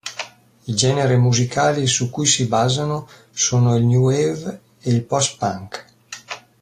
I generi musicali su cui si basano sono il new wave e il post-punk.